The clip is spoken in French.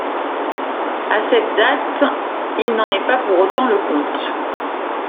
À cette date, il n'en est pas pour autant le comte.